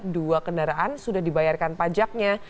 dua kendaraan sudah dibayarkan pajaknya